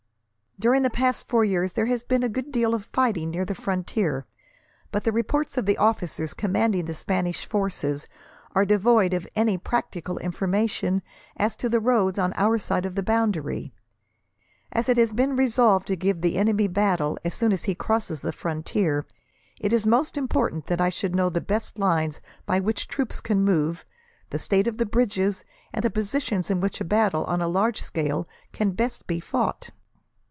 "During the past four years, there has been a good deal of fighting near the frontier, but the reports of the officers commanding the Spanish forces there are devoid of any practical information as to the roads on our side of the boundary. As it has been resolved to give the enemy battle, as soon as he crosses the frontier, it is most important that I should know the best lines by which troops can move, the state of the bridges, and the positions in which a battle on a large scale can best be fought.